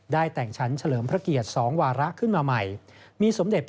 ได้แต่งชั้นเฉลิมพระเกียรติสองวาระขึ้นมาใหม่